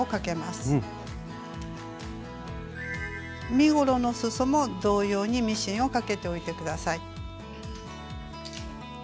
身ごろのすそも同様にミシンをかけておいて下さい。